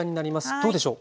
どうでしょう？